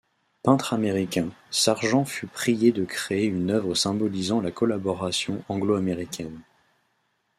Peintre américain, Sargent fut prié de créer une œuvre symbolisant la collaboration anglo-américaine.